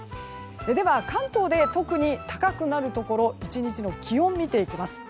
では、関東で特に高くなるところ１日の気温を見ていきます。